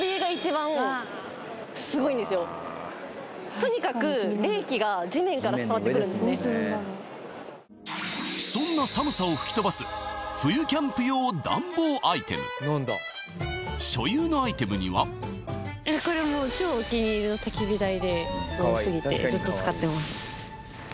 とにかくそんな寒さを吹き飛ばす冬キャンプ用暖房アイテム所有のアイテムにはこれもう超お気に入りの焚き火台で最高すぎてずっと使ってます